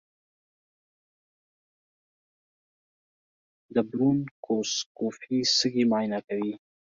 د برونکوسکوپي سږي معاینه کوي.